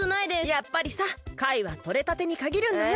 やっぱりさかいはとれたてにかぎるんだよ。